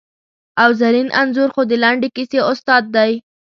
او زرین انځور خو د لنډې کیسې استاد دی!